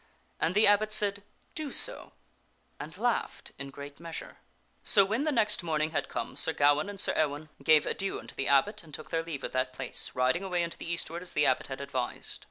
And the abbot said, " Do so," and laughed in great measure. So when the next morning had come, Sir Gawaine and Sir Ewaine gave adieu unto the abbot, and took their leave of that place, riding away unto the eastward, as the abbot had advised.